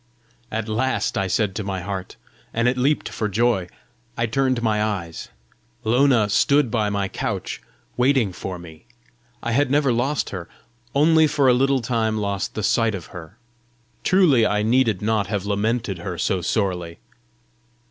"At last!" I said to my heart, and it leaped for joy. I turned my eyes; Lona stood by my couch, waiting for me! I had never lost her! only for a little time lost the sight of her! Truly I needed not have lamented her so sorely!